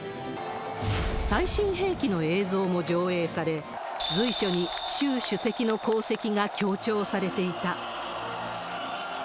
最新兵器の映像も上映され、随所に習主席の功績が強調されていた。